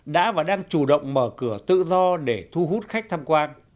đã và đang chủ động mở cửa tự do để thu hút khách tham quan